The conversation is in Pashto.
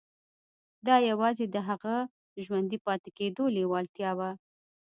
دا يوازې د هغه د ژوندي پاتې کېدو لېوالتیا وه.